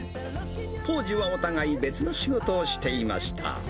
当時はお互い別の仕事をしていました。